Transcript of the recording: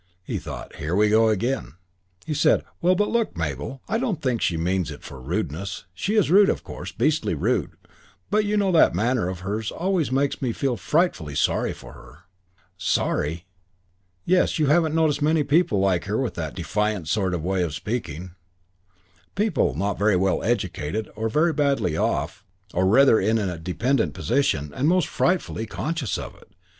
He thought, "Here we are again!" He said, "Well, but look, Mabel. I don't think she means it for rudeness. She is rude of course, beastly rude; but, you know, that manner of hers always makes me feel frightfully sorry for her." "Sorry!" "Yes, haven't you noticed many people like her with that defiant sort of way of speaking people not very well educated, or very badly off, or in rather a dependent position, and most frightfully conscious of it.